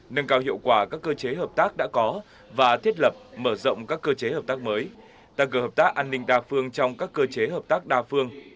nâng cao hiệu quả các cơ chế hợp tác đã có và thiết lập mở rộng các cơ chế hợp tác mới tăng cơ hợp tác an ninh đa phương trong các cơ chế hợp tác đa phương